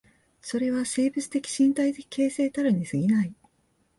それは生物的身体的形成たるに過ぎない。